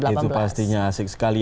itu pastinya asik sekali